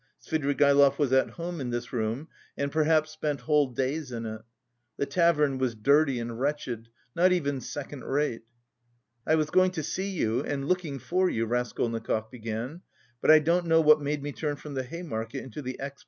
Svidrigaïlov was at home in this room and perhaps spent whole days in it. The tavern was dirty and wretched, not even second rate. "I was going to see you and looking for you," Raskolnikov began, "but I don't know what made me turn from the Hay Market into the X.